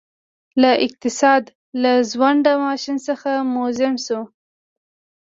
له اقتصاد له خوځنده ماشین څخه موزیم شو